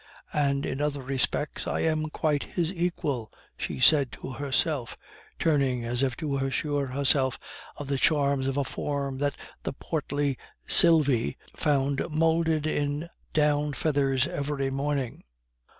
"And in other respects, I am quite his equal," she said to herself, turning as if to assure herself of the charms of a form that the portly Sylvie found moulded in down feathers every morning.